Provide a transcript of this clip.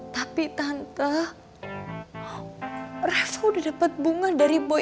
tapi tante rasa udah dapat bunga dari boy